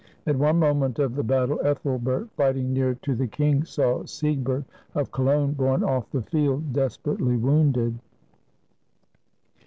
At one moment of the battle, Ethelbert, fighting near to the king, saw Siegbert of Cologne borne off the field desperately wounded.